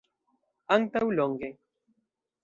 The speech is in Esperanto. Antaŭ longe.